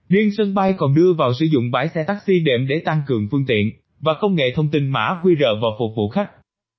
liên sân bay còn đưa vào sử dụng bãi xe taxi đệm để tăng cường phương tiện và công nghệ thông tin mã quy rợ vào phục vụ khách